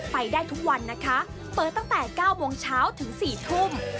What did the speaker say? ไปได้ทุกวันนะคะเปิดตั้งแต่๙โมงเช้าถึง๔ทุ่ม